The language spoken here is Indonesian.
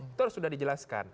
itu harus sudah dijelaskan